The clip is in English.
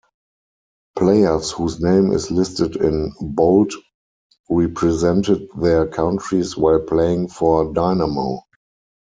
Players whose name is listed in bold represented their countries while playing for Dynamo.